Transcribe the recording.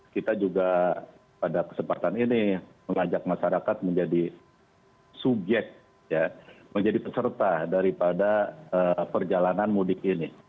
kita juga pada kesempatan ini mengajak masyarakat menjadi subjek menjadi peserta daripada perjalanan mudik ini